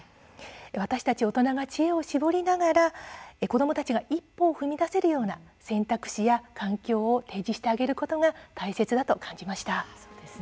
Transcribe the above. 私たち大人が知恵を絞りながら子どもたちが一歩を踏み出せる選択肢や環境を提示してあげることが大切だと感じました。